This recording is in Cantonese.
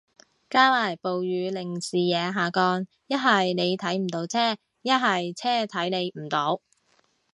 加埋暴雨令視野下降，一係你睇唔到車，一係車睇你唔到